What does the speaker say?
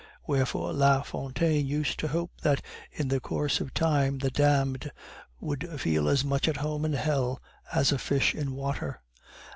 Wherefore La Fontaine used to hope that in the course of time the damned would feel as much at home in hell as a fish in water."